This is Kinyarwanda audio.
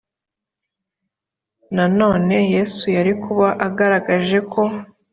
nanone yesu yari kuba agaragaje ko